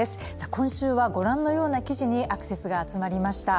今週は御覧のような記事にアクセスが集まりました。